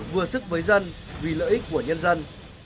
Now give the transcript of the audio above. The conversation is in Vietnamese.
vừa sức với dân vì lợi ích của nhân dân